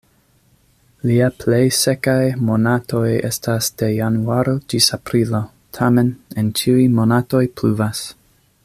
Lia plej sekaj monatoj estas de januaro ĝis aprilo, tamen, en ĉiuj monatoj pluvas.